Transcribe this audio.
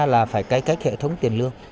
là phải cải cách hệ thống tiền lương